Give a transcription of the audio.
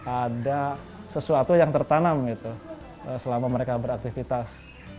ada sesuatu yang tertanam gitu selama mereka beraktivitas